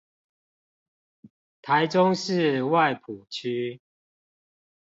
臺中市外埔區